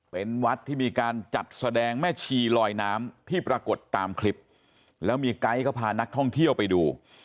เป็นวัดที่มีการจัดแสดงแม่ชีลอยน้ำที่ปรากฏตามคลิปแล้วมีไก๊เขาพานักท่องเที่ยวไปดู